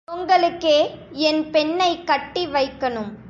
ஒங்களுக்கே என் பெண்ணைக் கட்டி வைக்கணும்.